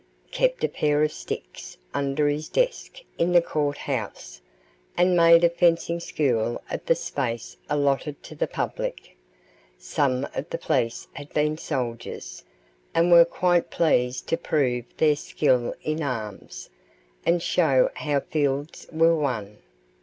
kept a pair of sticks under his desk in the court house, and made a fencing school of the space allotted to the public. Some of the police had been soldiers, and were quite pleased to prove their skill in arms, and show how fields were won.